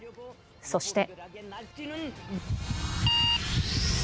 そして。